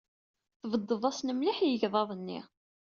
Tbedded-asen mliḥ i yegḍaḍ-nni.